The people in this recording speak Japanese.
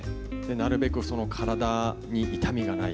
なるべく体に痛みがない、